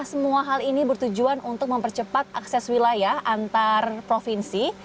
semua hal ini bertujuan untuk mempercepat akses wilayah antar provinsi